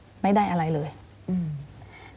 ถ้าสมมุติกลับไปต้นทางแปลว่า